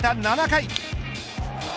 ７回。